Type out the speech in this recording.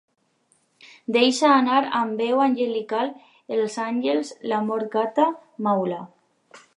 Deixa anar amb veu angelical l'Àngels, la molt gata maula.